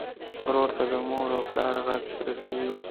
ورور ته د مور او پلار غږ رسوې.